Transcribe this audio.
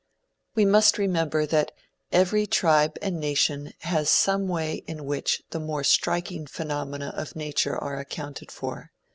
We must remember that every tribe and nation has some way in which, the more striking phenomena of nature are accounted for.